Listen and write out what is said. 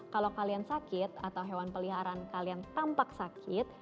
kalau kalian sakit atau hewan peliharaan kalian tampak sakit